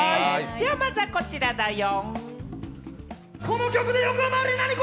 まずはこちらだよ！